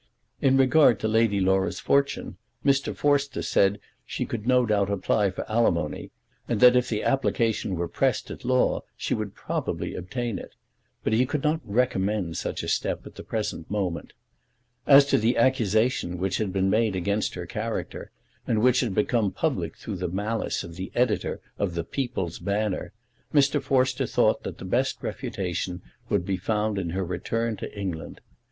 In regard to Lady Laura's fortune, Mr. Forster said that she could no doubt apply for alimony, and that if the application were pressed at law she would probably obtain it; but he could not recommend such a step at the present moment. As to the accusation which had been made against her character, and which had become public through the malice of the editor of The People's Banner, Mr. Forster thought that the best refutation would be found in her return to England.